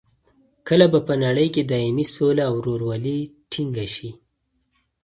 کله به په نړۍ کې دایمي سوله او رورولي ټینګه شي؟